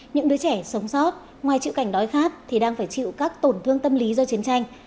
những đứa trẻ sống sót ngoài chịu cảnh đói khát thì đang phải chịu các tổn thương tâm lý do chiến tranh